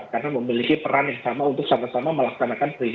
karena memiliki peran yang sama untuk sama sama melaksanakan hal ini